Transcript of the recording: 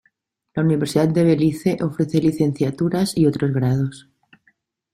La Universidad de Belice ofrece licenciaturas, y otros grados.